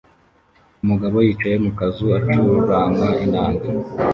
Umugabo yicaye mu kazu acuranga inanga